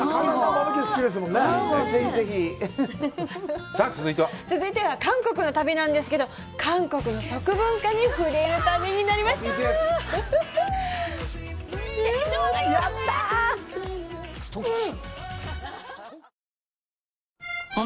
続いては韓国の旅なんですけど韓国の食文化に触れる旅になりましたうん！